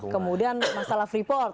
kemudian masalah free port